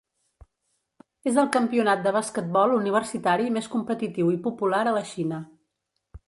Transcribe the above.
És el campionat de basquetbol universitari més competitiu i popular a la Xina.